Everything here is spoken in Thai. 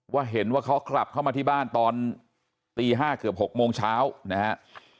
เห็นว่าเขากลับเข้ามาที่บ้านตอนตี๕เกือบ๖โมงเช้านะครับ